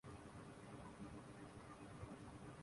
جسے ہنستے کھیلتے عبور کر کے